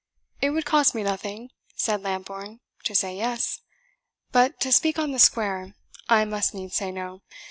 "It would cost me nothing," said Lambourne, "to say yes; but, to speak on the square, I must needs say no.